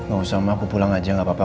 gak usah ma aku pulang aja gak apa apa